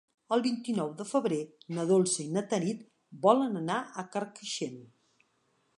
El vint-i-nou de febrer na Dolça i na Tanit volen anar a Carcaixent.